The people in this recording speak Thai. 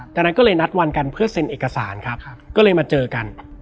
จากนั้นก็เลยนัดวันกันเพื่อเซ็นเอกสารครับก็เลยมาเจอกัน